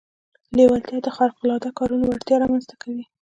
لېوالتیا د خارق العاده کارونو وړتيا رامنځته کوي.